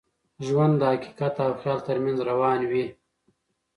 ژوند د حقیقت او خیال تر منځ روان وي.